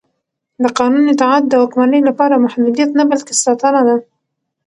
د قانون اطاعت د واکمنۍ لپاره محدودیت نه بلکې ساتنه ده